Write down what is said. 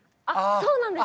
そうなんです。